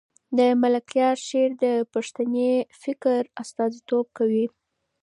د ملکیار شعر د پښتني فکر استازیتوب کوي.